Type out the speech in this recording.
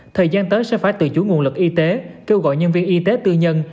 thời gian tới sẽ phải tự chủ nguồn lực y tế kêu gọi nhân viên y tế tư nhân